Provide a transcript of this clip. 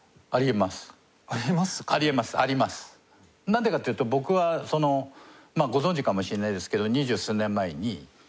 なんでかっていうと僕はご存じかもしれないですけど。